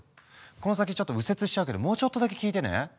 この先ちょっと右折しちゃうけどもうちょっとだけ聞いてね。